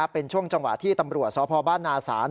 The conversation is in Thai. เป็นช่วงจังหวะที่ตำรวจสพบ้านนาศาล